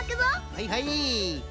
はいはい。